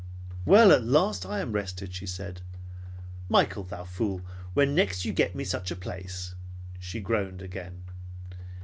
"Well, at last I am rested," she said. "Michael, thou fool, when next you get me such a place " She groaned again.